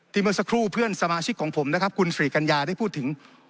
ที่เมื่อสักครู่เพื่อนสมาชิกของผมคุณศูลย์กัญญาได้พูดถึง